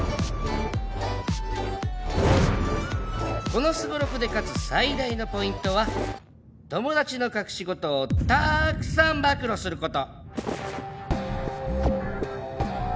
このすごろくで勝つ最大のポイントは友達の隠し事をたくさん暴露する事。